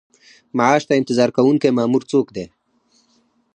معاش ته انتظار کوونکی مامور څوک دی؟